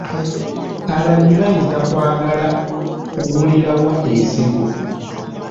Abalimi bayinza kwagala kugula wa ensigo?